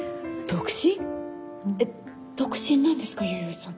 えっ独身なんですか弥生さん。